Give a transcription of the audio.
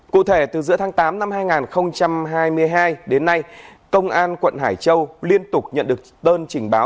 cụ thể từ giữa tháng tám năm hai nghìn hai mươi hai đến nay công an quận hải châu liên tục nhận được đơn trình báo